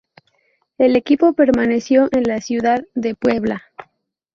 El equipo permaneció en la ciudad de Puebla.